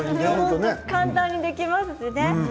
簡単にできますしね。